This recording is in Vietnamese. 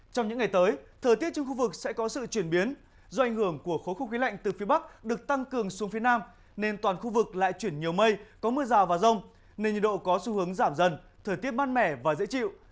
trong những ngày tới thời tiết trên khu vực sẽ có sự chuyển biến do ảnh hưởng của khối không khí lạnh từ phía bắc được tăng cường xuống phía nam nên toàn khu vực lại chuyển nhiều mây có mưa rào và rông nên nhiệt độ có xu hướng giảm dần thời tiết mát mẻ và dễ chịu